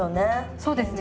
そうですね。